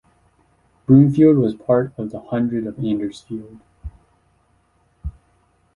Broomfield was part of the hundred of Andersfield.